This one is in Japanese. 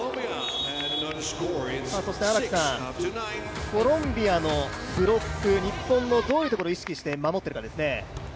そして荒木さん、コロンビアのブロック、日本のどういうところを意識して守っているかですね。